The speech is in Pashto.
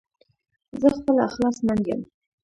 زه خپله اخلاص مند يم